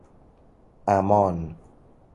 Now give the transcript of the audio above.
اَمان